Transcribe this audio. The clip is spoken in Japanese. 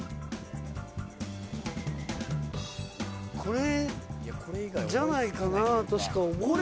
これじゃないかなとしか思えない。